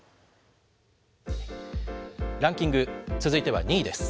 ランキング、続いては２位です。